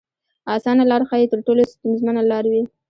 اسانه لار ښايي تر ټولو ستونزمنه لار وي.